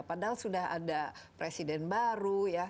padahal sudah ada presiden baru ya